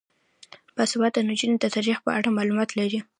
باسواده نجونې د تاریخ په اړه معلومات لري.